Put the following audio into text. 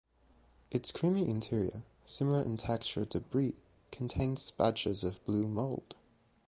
Its creamy interior, similar in texture to Brie, contains patches of blue mold.